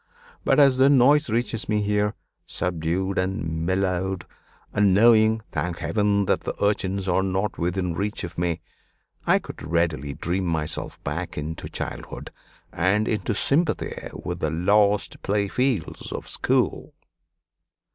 But as their noise reaches me here, subdued and mellowed; and knowing, thank Heaven! that the urchins are not within reach of me, I could readily dream myself back into childhood and into sympathy with the lost playfields of school.